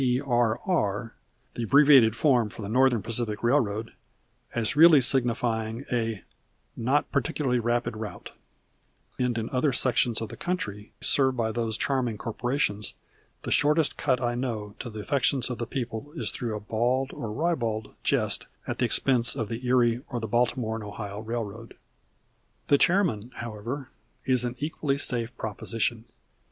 P. R. R., the abbreviated form for the Northern Pacific Railroad, as really signifying a "Not Particularly Rapid Route"; and in other sections of the country served by those charming corporations the shortest cut I know to the affections of the people is through a bald or ribald jest at the expense of the Erie or the Baltimore & Ohio Railroad. The chairman, however, is an equally safe proposition.